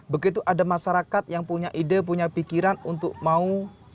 begitu ada masyarakat yang punya ide punya pikiran untuk mau